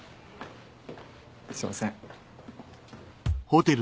すいません。